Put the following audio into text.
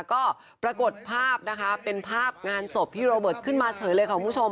ก็ปรากฏภาพนะคะเป็นภาพงานศพพี่โรเบิร์ตขึ้นมาเฉยเลยค่ะคุณผู้ชม